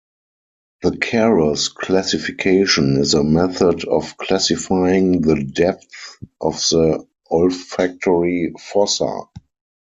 The Keros classification is a method of classifying the depth of the olfactory fossa.